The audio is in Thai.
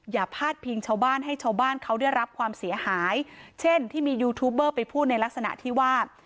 พาดพิงชาวบ้านให้ชาวบ้านเขาได้รับความเสียหายเช่นที่มียูทูบเบอร์ไปพูดในลักษณะที่ว่า